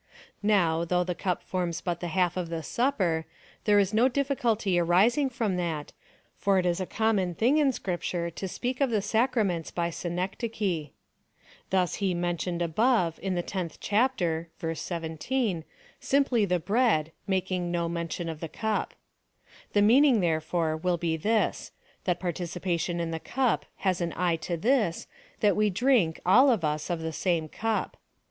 Now, though the cup forms but the half of the Supper, there is no difficulty arising from that, for it is a common thing in Scrip ture to speak of the sacraments by synecdoche.^ Thus he mentioned above in the tenth chapter (verse 1 7) simply the bread, making no mention of the cup. The meaning, there fore, will be this — that participation in the cup has an eye to this — that we drink, all of us, of the same cup.